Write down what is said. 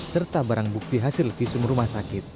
serta barang bukti hasil visum rumah sakit